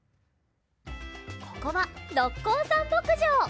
ここはろっこうさんぼくじょう！